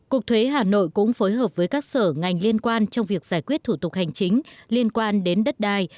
cục thuế hà nội cũng phối hợp với các sở ngành liên quan trong việc giải quyết thủ tục hành chính liên quan đến đất đai